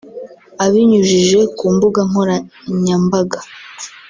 Abinyujije ku mbuga nkoranyambaga